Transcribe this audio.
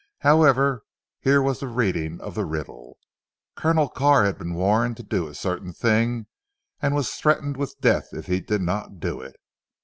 However here was the reading of the riddle. Colonel Carr had been warned to do a certain thing, and was threatened with death if he did not do it.